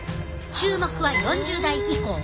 注目は４０代以降。